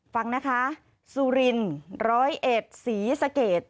ฟังนะคะซูริน๑๐๑ศรีสะเกด